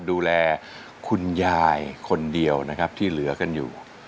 ดูแลคุณยายคนเดียวนะครับที่เหลือกันอยู่